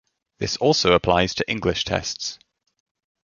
This also applies to English tests.